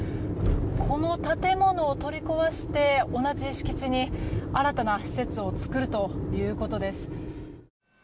この建物を取り壊して同じ敷地に新たな施設を造るということです。